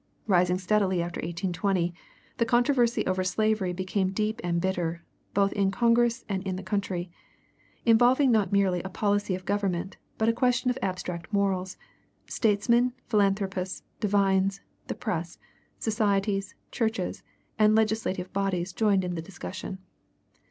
Rising steadily after 1820, the controversy over slavery became deep and bitter, both in Congress and the country. Involving not merely a policy of government, but a question of abstract morals, statesmen, philanthropists, divines, the press, societies, churches, and legislative bodies joined in the discussion.